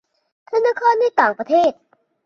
ธนาคารในต่างประเทศ